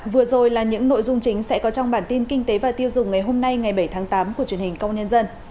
vừa rồi là những nội dung chính sẽ có trong bản tin kinh tế và tiêu dùng ngày hôm nay ngày bảy tháng tám của truyền hình công nhân dân